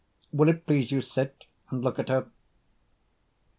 Will't please you sit and look at her?